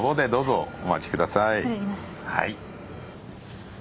はい。